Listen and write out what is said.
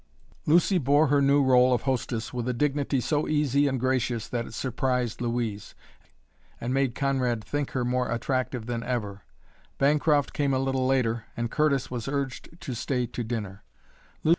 Lucy bore her new role of hostess with a dignity so easy and gracious that it surprised Louise, and made Conrad think her more attractive than ever. Bancroft came a little later, and Curtis was urged to stay to dinner.